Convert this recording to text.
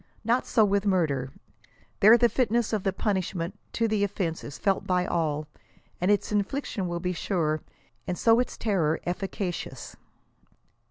Not so with murder. There the fitness of the punishment to the ofiense is felt by all, and its infliction will be sure, and so its terror efficacious.